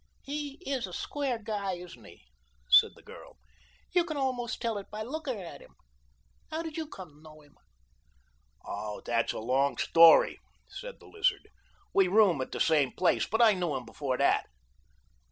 "He is a square guy, isn't he?" said the girl. "You can almost tell it by looking at him. How did you come to know him?" "Oh, that's a long story," said the Lizard. "We room at the same place, but I knew him before that."